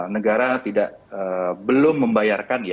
negara belum membayarkan ya